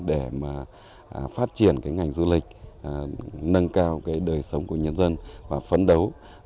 để phát triển ngành du lịch nâng cao đời sống của nhân dân và phấn đấu